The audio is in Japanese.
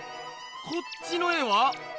こっちの絵は？